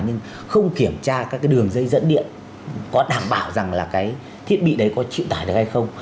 nhưng không kiểm tra các cái đường dây dẫn điện có đảm bảo rằng là cái thiết bị đấy có chịu tải được hay không